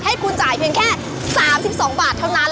ให้คุณจ่ายเพียงแค่๓๒บาทเท่านั้น